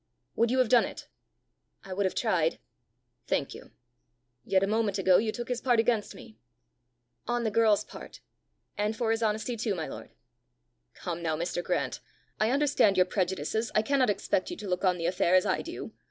Would you have done it?" "I would have tried." "Thank you. Yet a moment ago you took his part against me!" "On the girl's part and for his honesty too, my lord!" "Come now, Mr. Grant! I understand your prejudices, I cannot expect you to look on the affair as I do.